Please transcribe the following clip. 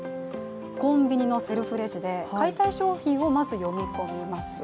コンビニのセルフレジで買いたい商品をまず読み込みます。